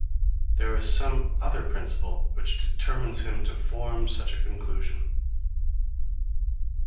There is some other principle which determines him to form such a conclusion.